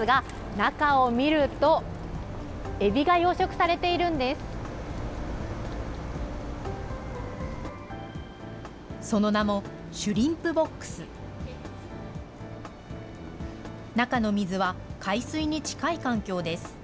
中の水は海水に近い環境です。